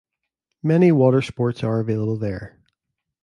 Many water sports are available there.